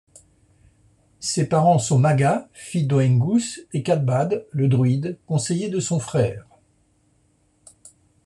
Ses parents sont Maga, fille d'Oengus, et Cathbad, le druide, conseiller de son frère.